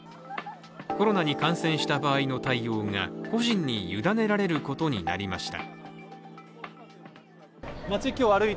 コロナに感染した場合の対応が個人に委ねられることになりました。